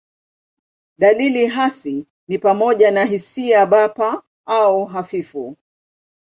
Dalili hasi ni pamoja na hisia bapa au hafifu.